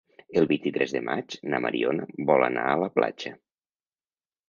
El vint-i-tres de maig na Mariona vol anar a la platja.